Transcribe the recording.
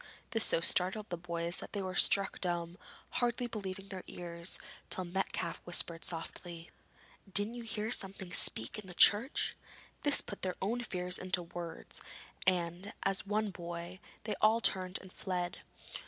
This so startled the boys that they were struck dumb, hardly believing their ears, till Metcalfe whispered softly: 'Didn't you hear something speak in the church?' This put their own fears into words, and, as one boy, they all turned and fled.